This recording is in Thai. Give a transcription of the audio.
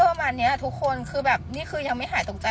ประมาณเนี้ยทุกคนคือแบบนี่คือยังไม่หายตกใจ